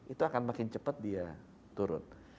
itu akan makin cepat dia turun